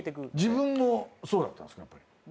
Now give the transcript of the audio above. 自分もそうだったんですか？